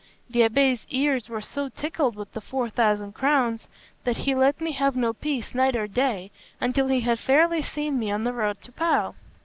The abbé's ears were so tickled with the four thousand crowns, that he let me have no peace night or day until he had fairly seen me on the road to Pau.